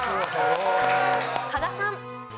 加賀さん。